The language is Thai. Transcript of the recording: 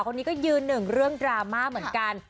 คนนี้ก็ยืนหนึ่งเรื่องดราม่าเหมือนกัน